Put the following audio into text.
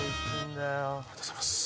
ありがとうございます。